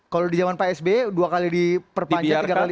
kalau di zaman pak sbe dua kali diperpanjang